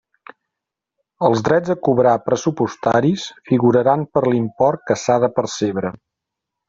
Els drets a cobrar pressupostaris figuraran per l'import que s'ha de percebre.